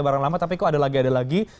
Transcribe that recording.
barang lama tapi kok ada lagi ada lagi